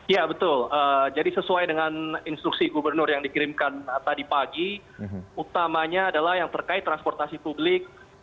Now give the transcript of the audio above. ya betul jadi sesuai dengan instruksi gubernur yang dikirimkan tadi pagi utamanya adalah yang terkait transportasi publik